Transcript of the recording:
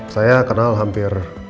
saya kenal hampir